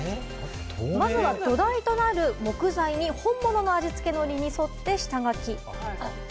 まずは土台となる木材に本物の味付けのりに沿って下書き。